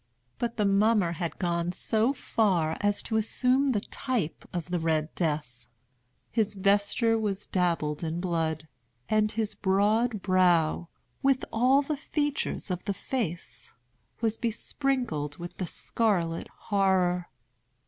But the mummer had gone so far as to assume the type of the Red Death. His vesture was dabbled in blood—and his broad brow, with all the features of the face, was besprinkled with the scarlet horror.